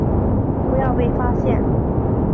不要被发现